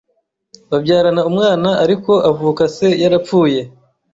babyarana umwana ariko avuka se yarapfuye